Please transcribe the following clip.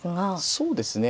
そうですね。